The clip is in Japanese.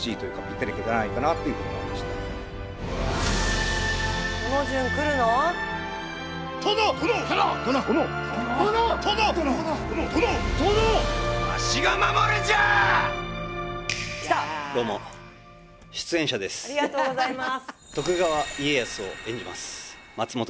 ありがとうございます！